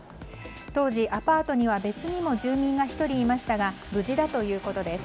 当時、アパートには別にも住民が１人いましたが無事だということです。